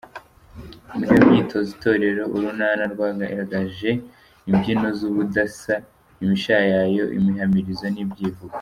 Muri iyo myitozo Itorero Urunana ryagaragaje imbyino z’ubudasa, imishayayo; imihamirizo; n’ibyivugo.